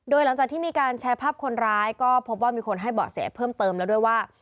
โดยหลังจากที่มีการแชร์ภาพคนร้ายก็พบว่ามีคนให้เบาะแสเพิ่มเติมแล้วด้วยว่า